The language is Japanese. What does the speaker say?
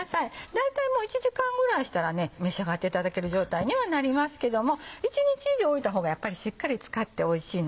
大体もう１時間ぐらいしたら召し上がっていただける状態にはなりますけども１日以上置いた方がやっぱりしっかり漬かっておいしいのでね。